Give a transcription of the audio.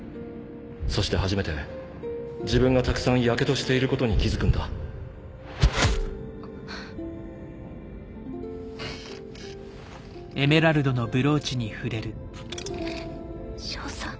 そして初めて自分がたくさんヤケドしていることに気付くんだ少佐。